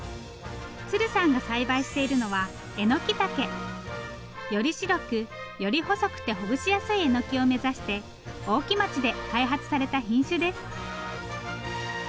鶴さんが栽培しているのはえのきたけ。より白くより細くてほぐしやすいえのきを目指して大木町で開発された品種です。